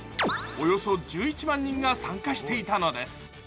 およそ１１万人が参加していたのです。